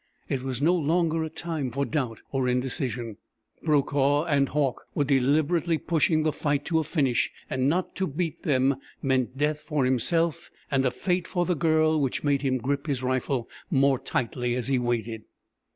It was no longer a time for doubt or indecision. Brokaw and Hauck were deliberately pushing the fight to a finish, and not to beat them meant death for himself and a fate for the Girl which made him grip his rifle more tightly as he waited.